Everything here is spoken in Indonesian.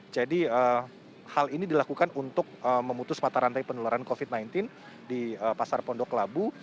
jadi hal ini dilakukan untuk memutus mata rantai penularan covid sembilan belas di pasar pondok labu